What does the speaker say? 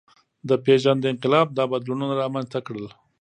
د پېژند انقلاب دا بدلونونه رامنځ ته کړل.